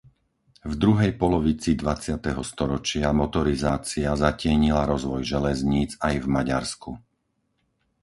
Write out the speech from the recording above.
V druhej polovici dvadsiateho storočia motorizácia zatienila rozvoj železníc aj v Maďarsku.